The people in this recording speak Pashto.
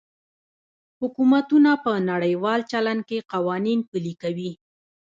حکومتونه په نړیوال چلند کې قوانین پلي کوي